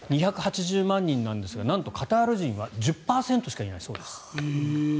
２８０万人なんですがなんと、カタール人は１０％しかいないそうです。